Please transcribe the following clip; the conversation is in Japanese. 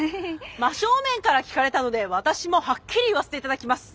真正面から聞かれたので私もはっきり言わせて頂きます。